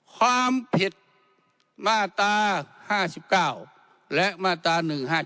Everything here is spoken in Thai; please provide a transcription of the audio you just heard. ความผิดมาตรา๕๙และมาตรา๑๕๗